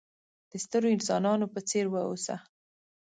د سترو انسانانو په څېر وه اوسه!